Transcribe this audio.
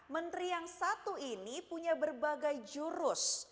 menteri yang satu ini punya berbagai jurus